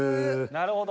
なるほど。